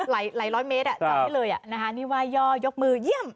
ไหลไหลร้อยเมตรอ่ะจอดได้เลยอ่ะนะคะนี่ไหว่ย่อยกมือเยี่ยม